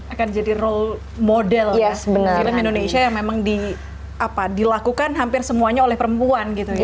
akan jadi role model film indonesia yang memang dilakukan hampir semuanya oleh perempuan gitu ya